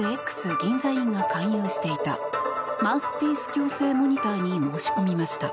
銀座院が勧誘していたマウスピース矯正モニターに申し込みました。